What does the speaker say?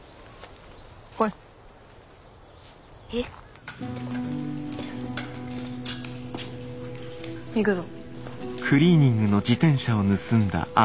来い！え⁉行くぞ。